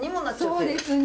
そうですね。